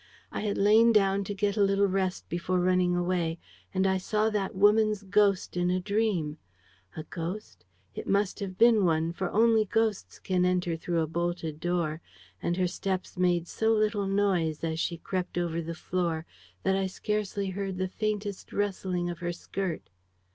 I had lain down to get a little rest before running away; and I saw that woman's ghost in a dream. ... A ghost? It must have been one, for only ghosts can enter through a bolted door; and her steps made so little noise as she crept over the floor that I scarcely heard the faintest rustling of her skirt.